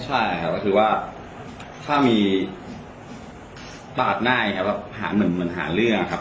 ใช่ครับคือว่าถ้ามีปาดหน้าอย่างนี้ครับแบบหาเหมือนเหมือนหาเรื่องครับ